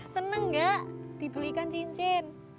seneng gak di belikan cincin